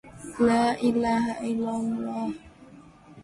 What challenges do you face when using a computer in the classroom?